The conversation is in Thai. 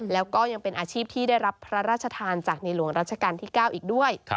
แล้วก็ยังเป็นอาชีพที่ได้รับพระราชทานจากในหลวงรัชกาลที่๙อีกด้วย